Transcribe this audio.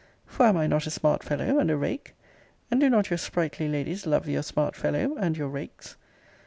For am I not a smart fellow, and a rake? And do not your sprightly ladies love your smart fellow, and your rakes?